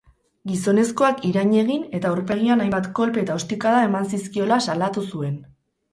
Gizonezkoak irain egin eta aurpegian hainbat kolpe eta ostikada eman zizkiola salatu zuen.